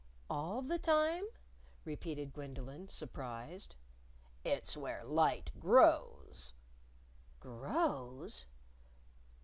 "All the time?" repeated Gwendolyn, surprised. "It's where light grows." "_Grows?